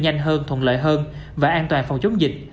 nhanh hơn thuận lợi hơn và an toàn phòng chống dịch